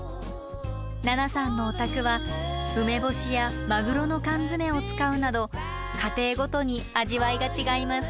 ＮＡＮＡさんのお宅は梅干しやマグロの缶詰を使うなど家庭ごとに味わいが違います。